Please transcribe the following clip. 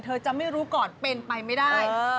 จะไม่รู้ก่อนเป็นไปไม่ได้